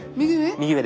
右上？